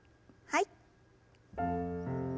はい。